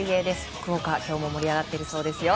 福岡、今日も盛り上がっているそうですよ。